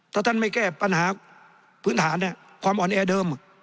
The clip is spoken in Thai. ถ้าท่านไม่แก้ปัญหาพื้นฐานความอ่อนแอเดิม